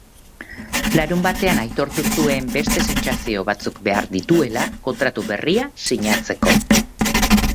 Larunbatean aitortu zuen beste sentsazio batzuk behar dituela kontratu berria sinatzeko.